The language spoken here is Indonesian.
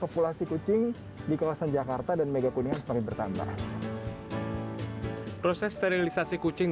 populasi kucing di kawasan jakarta dan mega kuningan semakin bertambah proses sterilisasi kucing